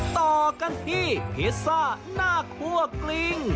ต่อกันที่พิซซ่าหน้าคั่วกลิ้ง